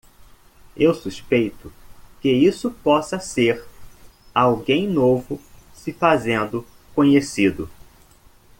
Eu suspeito que isso possa ser alguém novo se fazendo conhecido.